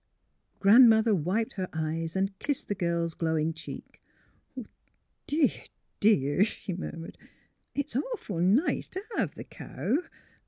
Grandmother wiped her eyes and kissed the girl's glowing cheek. ^' Dear, dear! " she mur mured. " It's awful nice t' hev th' cow.